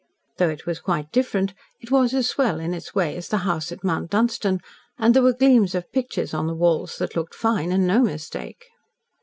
Though it was quite different, it was as swell in its way as the house at Mount Dunstan, and there were gleams of pictures on the walls that looked fine, and no mistake.